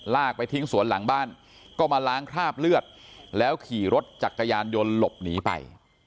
ไปทิ้งสวนหลังบ้านก็มาล้างคราบเลือดแล้วขี่รถจักรยานยนต์หลบหนีไป